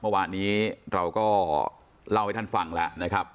เมื่อวานนี้เราก็เล่าให้ท่านฟังแล้วนะครับ